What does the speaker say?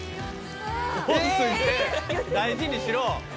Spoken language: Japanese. ─繊大事にしろ。